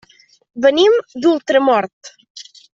Venim d'Ultramort.